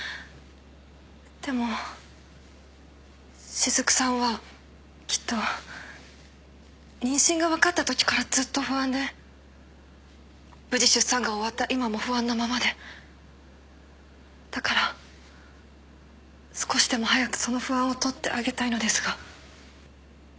でもしずくさんはきっと妊娠が分かったときからずっと不安で無事出産が終わった今も不安なままでだから少しでも早くその不安を取ってあげたいのですが。